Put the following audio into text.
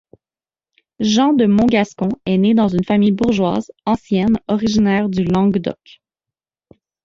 Jean de Montgascon est né dans une famille bourgeoise ancienne originaire du Languedoc.